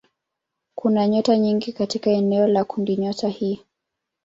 Kuna nyota nyingi katika eneo la kundinyota hii.